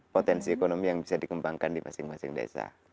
potensi ekonomi yang bisa dikembangkan di masing masing desa